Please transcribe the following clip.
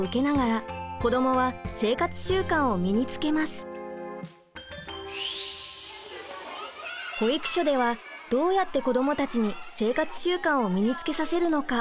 こうした保育所ではどうやって子どもたちに生活習慣を身につけさせるのか。